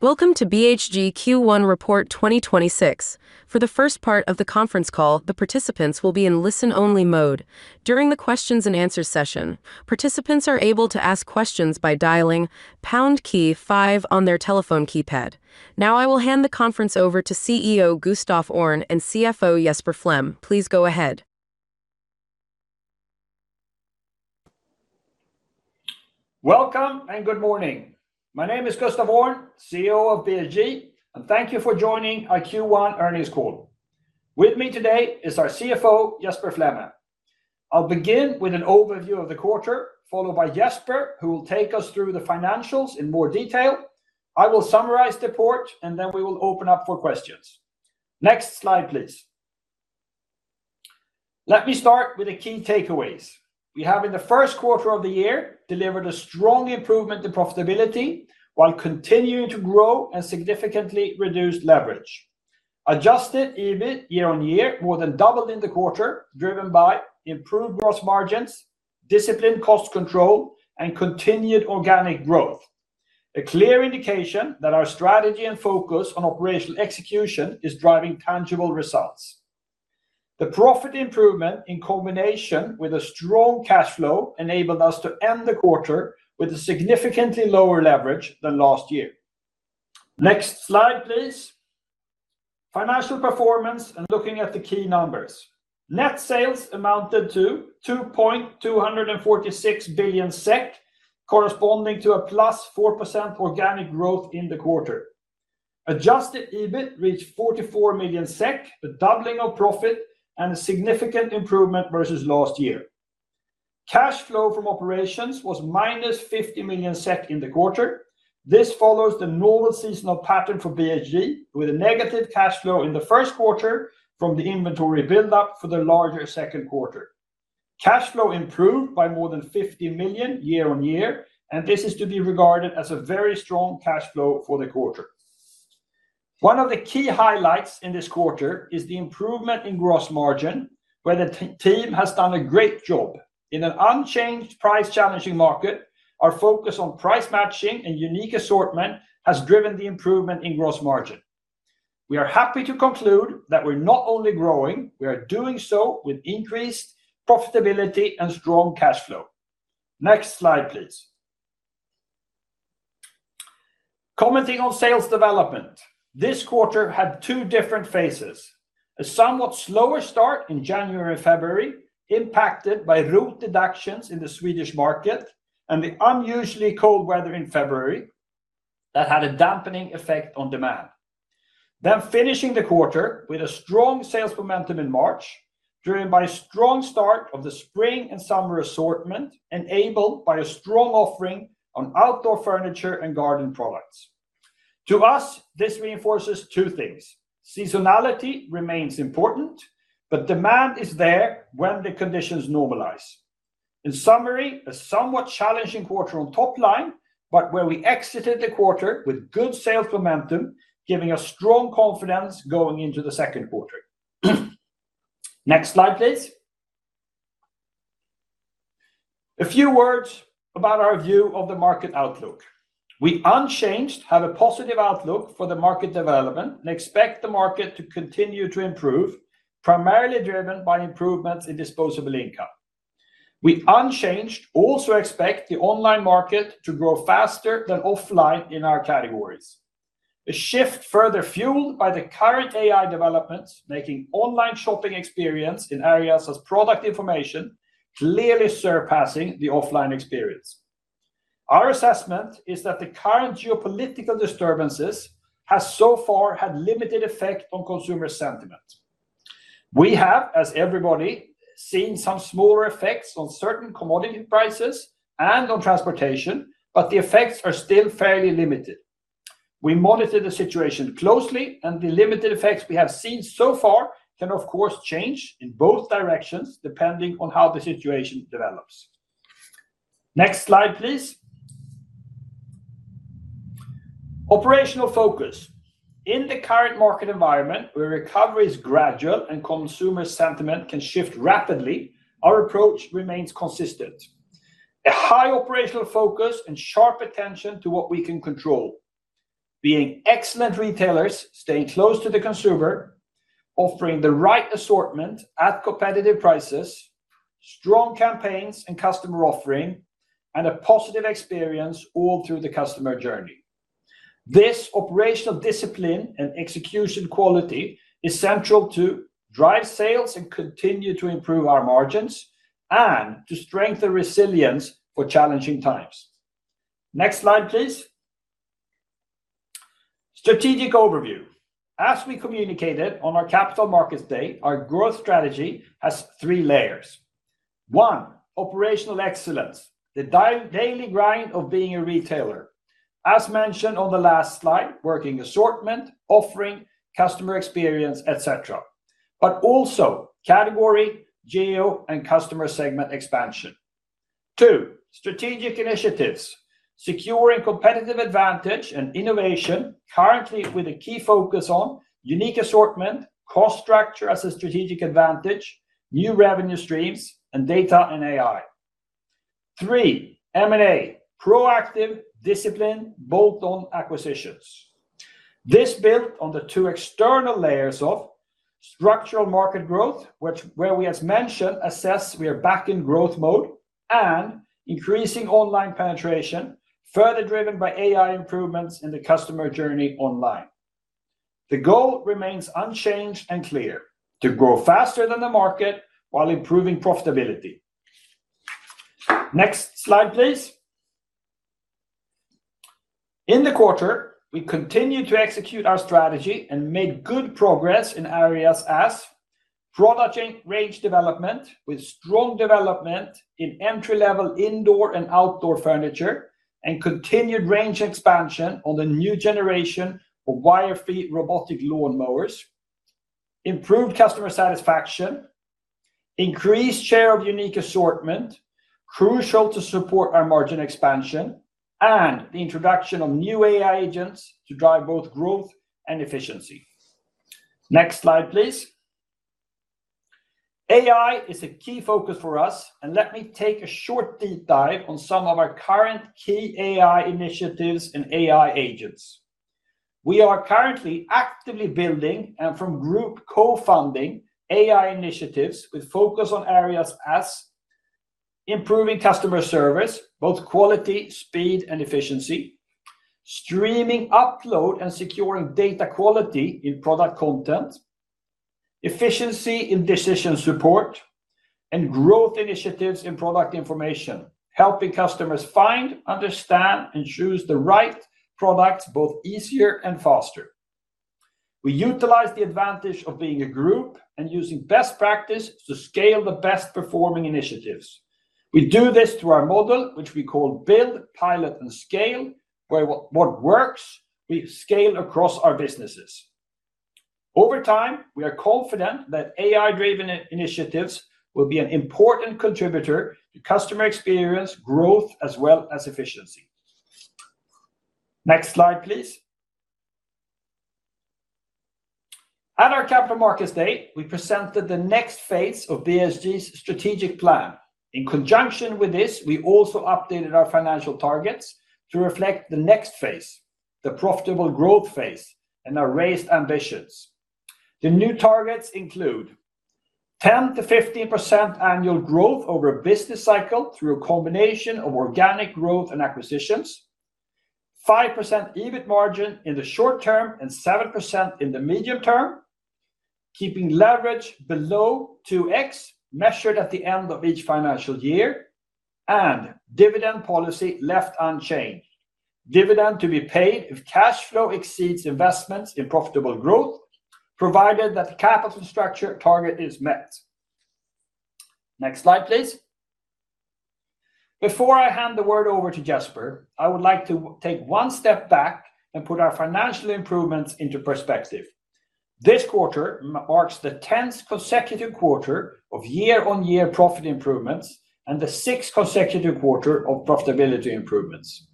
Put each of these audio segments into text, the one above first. Welcome to BHG Q1 Report 2026. For the first part of the conference call, the participants will be in listen-only mode. During the questions and answers session, participants are able to ask questions by dialing pound key five on their telephone keypad. Now I will hand the conference over to CEO Gustaf Öhrn and CFO Jesper Flemme. Please go ahead. Welcome and good morning. My name is Gustaf Öhrn, CEO of BHG, and thank you for joining our Q1 earnings call. With me today is our CFO, Jesper Flemme. I'll begin with an overview of the quarter, followed by Jesper, who will take us through the financials in more detail. I will summarize the report, and then we will open up for questions. Next slide, please. Let me start with the key takeaways. We have in the first quarter of the year delivered a strong improvement to profitability while continuing to grow and significantly reduce leverage. Adjusted EBIT year-over-year more than doubled in the quarter, driven by improved gross margins, disciplined cost control, and continued organic growth. A clear indication that our strategy and focus on operational execution is driving tangible results. The profit improvement in combination with a strong cash flow enabled us to end the quarter with a significantly lower leverage than last year. Next slide, please. Financial performance and looking at the key numbers. Net sales amounted to 2.246 billion SEK, corresponding to +4% organic growth in the quarter. Adjusted EBIT reached 44 million SEK, a doubling of profit and a significant improvement versus last year. Cash flow from operations was -50 million SEK in the quarter. This follows the normal seasonal pattern for BHG, with a negative cash flow in the first quarter from the inventory build-up for the larger second quarter. Cash flow improved by more than 50 million year-over-year, and this is to be regarded as a very strong cash flow for the quarter. One of the key highlights in this quarter is the improvement in gross margin, where the team has done a great job. In an unchanged price challenging market, our focus on price matching and unique assortment has driven the improvement in gross margin. We are happy to conclude that we're not only growing, we are doing so with increased profitability and strong cash flow. Next slide, please. Commenting on sales development. This quarter had two different phases. A somewhat slower start in January, February, impacted by ROT deductions in the Swedish market and the unusually cold weather in February that had a dampening effect on demand. Finishing the quarter with a strong sales momentum in March, driven by a strong start of the spring and summer assortment, enabled by a strong offering on outdoor furniture and garden products. To us, this reinforces two things. Seasonality remains important, but demand is there when the conditions normalize. In summary, a somewhat challenging quarter on top line, but where we exited the quarter with good sales momentum, giving us strong confidence going into the second quarter. Next slide, please. A few words about our view of the market outlook. We, unchanged, have a positive outlook for the market development and expect the market to continue to improve, primarily driven by improvements in disposable income. We, unchanged, also expect the online market to grow faster than offline in our categories. A shift further fueled by the current AI developments, making online shopping experience in areas such as product information clearly surpassing the offline experience. Our assessment is that the current geopolitical disturbances have so far had limited effect on consumer sentiment. We have, as everybody, seen some smaller effects on certain commodity prices and on transportation, but the effects are still fairly limited. We monitor the situation closely, and the limited effects we have seen so far can, of course, change in both directions depending on how the situation develops. Next slide, please. Operational focus. In the current market environment, where recovery is gradual and consumer sentiment can shift rapidly, our approach remains consistent. A high operational focus and sharp attention to what we can control. Being excellent retailers, staying close to the consumer, offering the right assortment at competitive prices, strong campaigns and customer offering, and a positive experience all through the customer journey. This operational discipline and execution quality is central to drive sales and continue to improve our margins and to strengthen resilience for challenging times. Next slide, please. Strategic overview. As we communicated on our Capital Markets Day, our growth strategy has three layers. One, operational excellence, the daily grind of being a retailer. As mentioned on the last slide, working assortment, offering, customer experience, et cetera. But also category, geo, and customer segment expansion. Two, strategic initiatives, securing competitive advantage and innovation, currently with a key focus on unique assortment, cost structure as a strategic advantage, new revenue streams, and data and AI. Three, M&A. Proactive discipline, bolt-on acquisitions. This built on the two external layers of structural market growth, where we, as mentioned, assess we are back in growth mode, and increasing online penetration, further driven by AI improvements in the customer journey online. The goal remains unchanged and clear. To grow faster than the market while improving profitability. Next slide, please. In the quarter, we continued to execute our strategy and made good progress in areas such as product range development with strong development in entry-level indoor and outdoor furniture, and continued range expansion on the new generation of wire-free robotic lawn mowers, improved customer satisfaction, increased share of unique assortment, crucial to support our margin expansion, and the introduction of new AI agents to drive both growth and efficiency. Next slide, please. AI is a key focus for us, and let me take a short deep dive on some of our current key AI initiatives and AI agents. We are currently actively building and BHG Group co-funding AI initiatives with focus on areas such as improving customer service, both quality, speed, and efficiency, streamlining upload and securing data quality in product content, efficiency in decision support, and growth initiatives in product information, helping customers find, understand, and choose the right products both easier and faster. We utilize the advantage of being a group and using best practice to scale the best-performing initiatives. We do this through our model, which we call Build, Pilot and Scale, where what works, we scale across our businesses. Over time, we are confident that AI-driven initiatives will be an important contributor to customer experience, growth, as well as efficiency. Next slide, please. At our Capital Markets Day, we presented the next phase of BHG's strategic plan. In conjunction with this, we also updated our financial targets to reflect the next phase, the profitable growth phase, and our raised ambitions. The new targets include 10%-15% annual growth over a business cycle through a combination of organic growth and acquisitions, 5% EBIT margin in the short term and 7% in the medium term, keeping leverage below 2x, measured at the end of each financial year, and dividend policy left unchanged. Dividend to be paid if cash flow exceeds investments in profitable growth, provided that the capital structure target is met. Next slide, please. Before I hand the word over to Jesper, I would like to take one step back and put our financial improvements into perspective. This quarter marks the 10th consecutive quarter of year-on-year profit improvements and the sixth consecutive quarter of profitability improvements.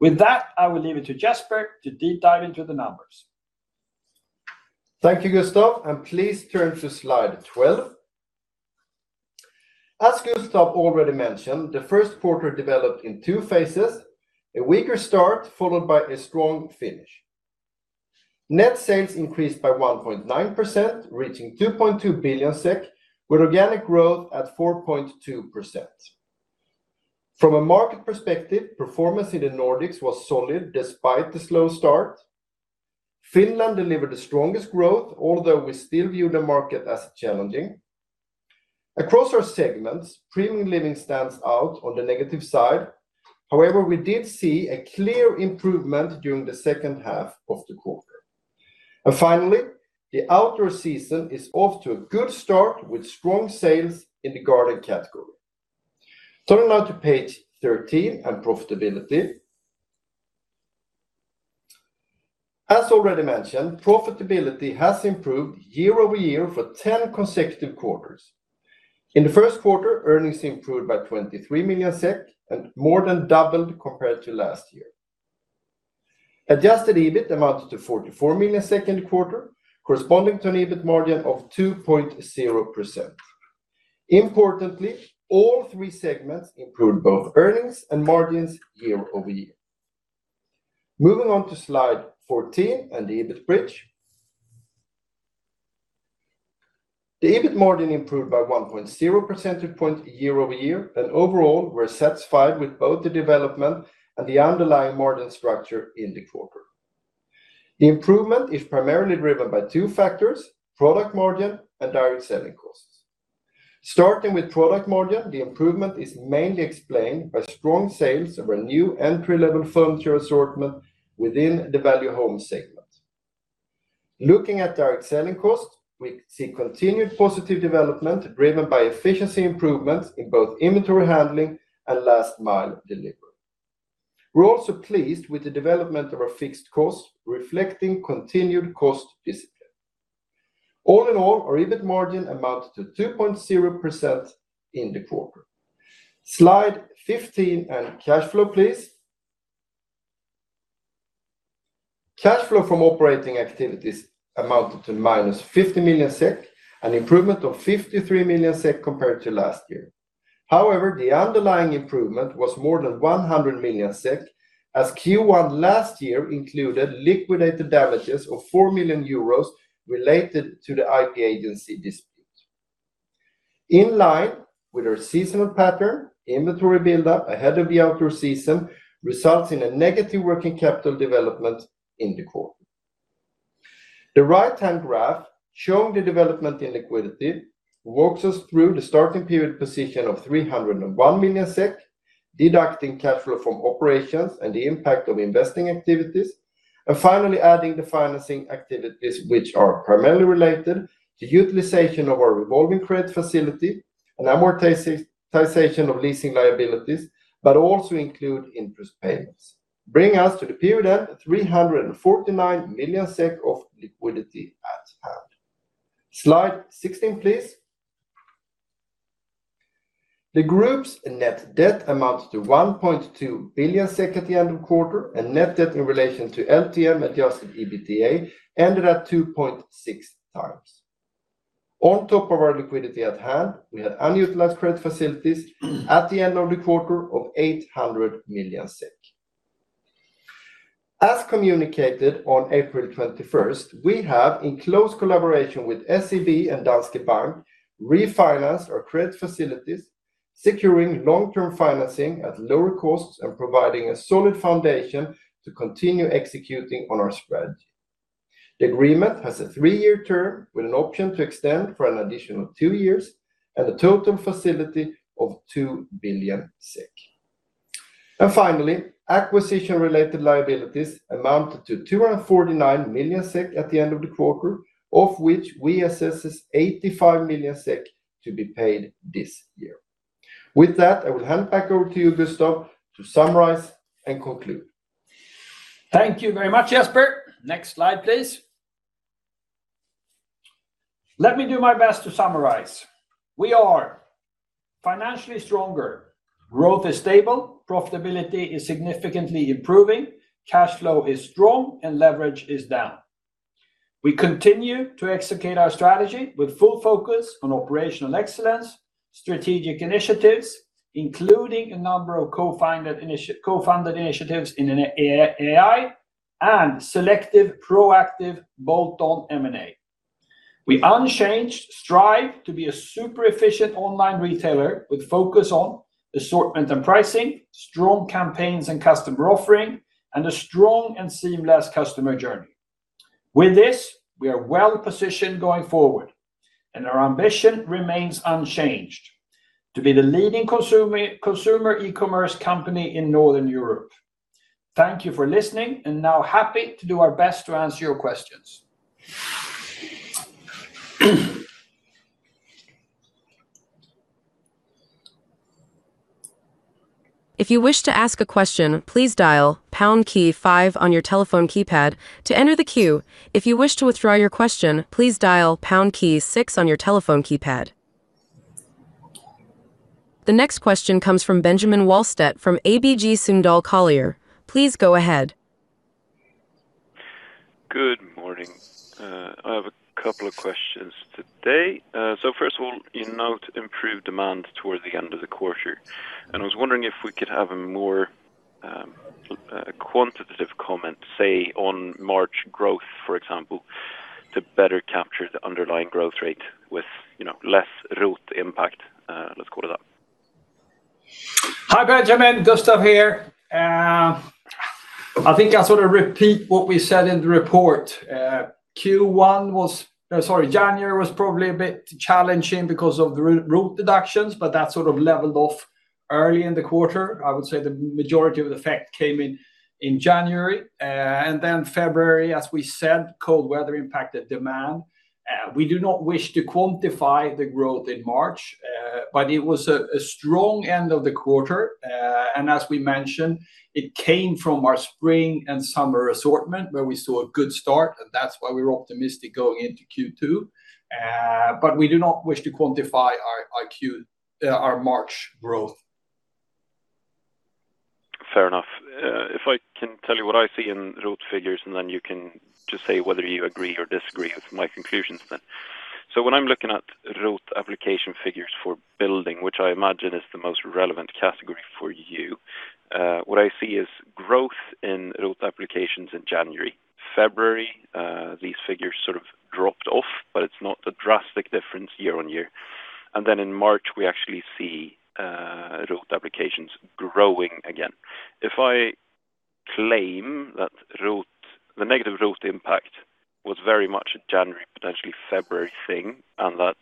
With that, I will leave it to Jesper to deep dive into the numbers. Thank you, Gustaf, and please turn to slide 12. As Gustaf already mentioned, the first quarter developed in two phases, a weaker start followed by a strong finish. Net sales increased by 1.9%, reaching 2.2 billion SEK, with organic growth at 4.2%. From a market perspective, performance in the Nordics was solid despite the slow start. Finland delivered the strongest growth, although we still view the market as challenging. Across our segments, Premium Living stands out on the negative side. However, we did see a clear improvement during the second half of the quarter. Finally, the outdoor season is off to a good start with strong sales in the garden category. Turning now to page 13 and profitability. As already mentioned, profitability has improved year-over-year for 10 consecutive quarters. In the first quarter, earnings improved by 23 million SEK and more than doubled compared to last year. Adjusted EBIT amounted to 44 million in the quarter, corresponding to an EBIT margin of 2.0%. Importantly, all three segments improved both earnings and margins year-over-year. Moving on to slide 14 and the EBIT bridge. The EBIT margin improved by 1.0 percentage point year-over-year, and overall, we're satisfied with both the development and the underlying margin structure in the quarter. The improvement is primarily driven by two factors, product margin and direct selling costs. Starting with product margin, the improvement is mainly explained by strong sales of our new entry-level furniture assortment within the Value Home segment. Looking at direct selling costs, we see continued positive development driven by efficiency improvements in both inventory handling and last-mile delivery. We're also pleased with the development of our fixed costs reflecting continued cost discipline. All in all, our EBIT margin amounted to 2.0% in the quarter. Slide 15 and cash flow, please. Cash flow from operating activities amounted to -50 million SEK, an improvement of 53 million SEK compared to last year. However, the underlying improvement was more than 100 million SEK as Q1 last year included liquidated damages of 4 million euros related to the IP-Agency dispute. In line with our seasonal pattern, inventory build-up ahead of the outdoor season results in a negative working capital development in the quarter. The right-hand graph showing the development in liquidity walks us through the starting period position of 301 million SEK, deducting cash flow from operations and the impact of investing activities, and finally adding the financing activities, which are primarily related to utilization of our revolving credit facility and amortization of leasing liabilities, but also include interest payments, bringing us to the period end of 349 million SEK of liquidity at hand. Slide 16, please. The group's net debt amounted to 1.2 billion SEK at the end of the quarter, and net debt in relation to LTM adjusted EBITDA ended at 2.6 times. On top of our liquidity at hand, we had unutilized credit facilities at the end of the quarter of 800 million SEK. As communicated on April 21st, we have, in close collaboration with SEB and Danske Bank, refinanced our credit facilities, securing long-term financing at lower costs and providing a solid foundation to continue executing on our strategy. The agreement has a three-year term with an option to extend for an additional two years at a total facility of 2 billion. Finally, acquisition-related liabilities amounted to 249 million SEK at the end of the quarter, of which we assess 85 million SEK to be paid this year. With that, I will hand back over to you, Gustaf, to summarize and conclude. Thank you very much, Jesper. Next slide, please. Let me do my best to summarize. We are financially stronger. Growth is stable, profitability is significantly improving, cash flow is strong, and leverage is down. We continue to execute our strategy with full focus on operational excellence, strategic initiatives, including a number of co-funded initiatives in AI, and selective proactive bolt-on M&A. We unchanged strive to be a super efficient online retailer with focus on assortment and pricing, strong campaigns and customer offering, and a strong and seamless customer journey. With this, we are well-positioned going forward, and our ambition remains unchanged to be the leading consumer e-commerce company in Northern Europe. Thank you for listening, and now happy to do our best to answer your questions. The next question comes from Benjamin Wahlstedt from ABG Sundal Collier. Please go ahead. Good morning. I have a couple of questions today. First of all, you note improved demand towards the end of the quarter, and I was wondering if we could have a more quantitative comment, say on March growth, for example, to better capture the underlying growth rate with less ROT impact, let's call it that. Hi, Benjamin. Gustaf here. I think I sort of repeat what we said in the report. January was probably a bit challenging because of the ROT deductions, but that sort of leveled off early in the quarter. I would say the majority of the effect came in January. February, as we said, cold weather impacted demand. We do not wish to quantify the growth in March, but it was a strong end of the quarter. As we mentioned, it came from our spring and summer assortment where we saw a good start, and that's why we're optimistic going into Q2. We do not wish to quantify our March growth. Fair enough. If I can tell you what I see in ROT figures, and then you can just say whether you agree or disagree with my conclusions then. When I'm looking at ROT application figures for building, which I imagine is the most relevant category for you, what I see is growth in ROT applications in January. February, these figures sort of dropped off, but it's not a drastic difference year-on-year. In March, we actually see ROT applications growing again. If I claim that the negative ROT impact was very much a January, potentially February thing, and that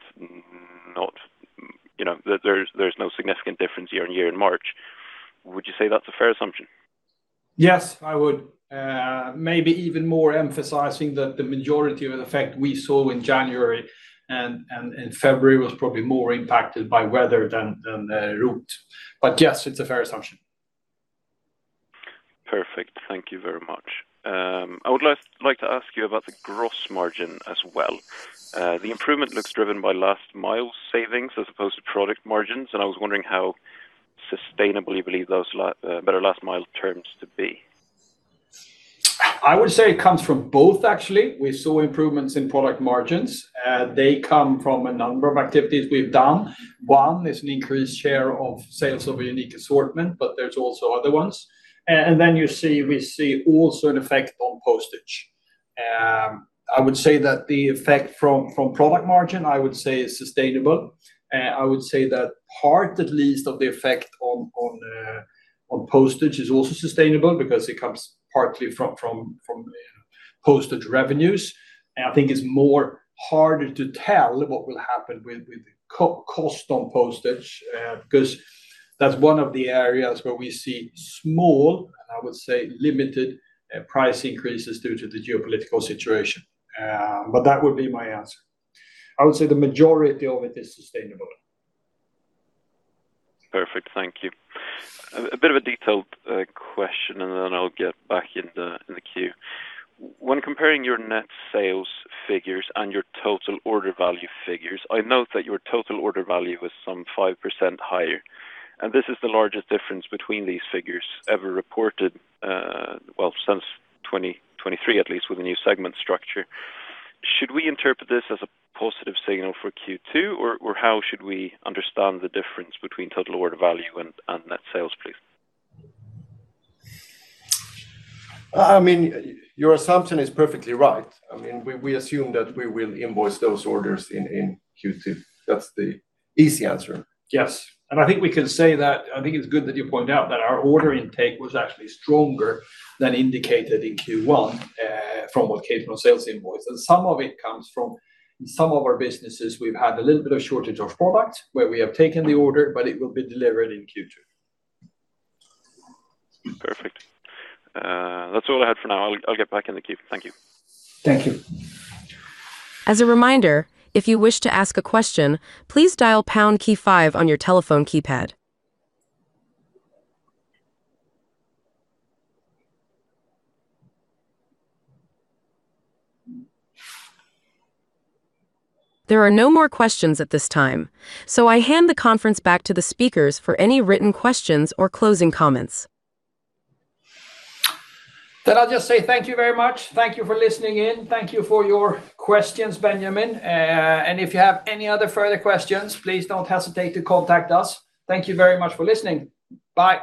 there's no significant difference year-on-year in March, would you say that's a fair assumption? Yes, I would. Maybe even more emphasizing that the majority of the effect we saw in January and in February was probably more impacted by weather than ROT. Yes, it's a fair assumption. Perfect. Thank you very much. I would like to ask you about the gross margin as well. The improvement looks driven by last mile savings as opposed to product margins, and I was wondering how sustainably you believe those better last mile terms to be? I would say it comes from both actually. We saw improvements in product margins. They come from a number of activities we've done. One is an increased share of sales of a unique assortment, but there's also other ones. We see also an effect on postage. I would say that the effect from product margin, I would say is sustainable. I would say that part, at least of the effect on postage is also sustainable because it comes partly from postage revenues. I think it's more harder to tell what will happen with cost on postage, because that's one of the areas where we see small, and I would say limited price increases due to the geopolitical situation. That would be my answer. I would say the majority of it is sustainable. Perfect. Thank you. A bit of a detailed question, and then I'll get back in the queue. When comparing your net sales figures and your total order value figures, I note that your total order value was some 5% higher, and this is the largest difference between these figures ever reported, well, since 2023, at least with the new segment structure. Should we interpret this as a positive signal for Q2? Or how should we understand the difference between total order value and net sales, please? Your assumption is perfectly right. We assume that we will invoice those orders in Q2. That's the easy answer. Yes. I think we can say that, I think it's good that you point out that our order intake was actually stronger than indicated in Q1 from what net sales invoiced. Some of it comes from some of our businesses we've had a little bit of shortage of product where we have taken the order, but it will be delivered in Q2. Perfect. That's all I had for now. I'll get back in the queue. Thank you. Thank you. As a reminder, if you wish to ask a question, please dial pound key five on your telephone keypad. There are no more questions at this time, so I hand the conference back to the speakers for any written questions or closing comments. I'll just say thank you very much. Thank you for listening in. Thank you for your questions, Benjamin, and if you have any other further questions, please don't hesitate to contact us. Thank you very much for listening. Bye.